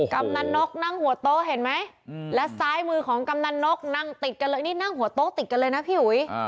กำนันนกนั่งหัวโต๊ะเห็นไหมและซ้ายมือของกำนันนกนั่งติดกันเลยนี่นั่งหัวโต๊ะติดกันเลยนะพี่อุ๋ย